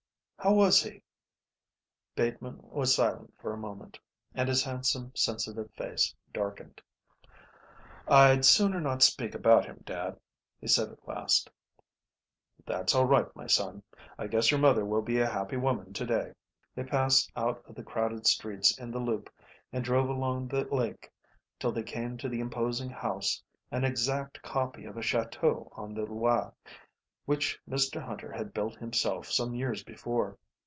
"How was he?" Bateman was silent for a moment, and his handsome, sensitive face darkened. "I'd sooner not speak about him, dad," he said at last. "That's all right, my son. I guess your mother will be a happy woman to day." They passed out of the crowded streets in the Loop and drove along the lake till they came to the imposing house, an exact copy of a château on the Loire, which Mr Hunter had built himself some years before.